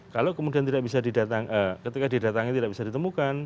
kalau kemudian tidak bisa ketika didatangi tidak bisa ditemukan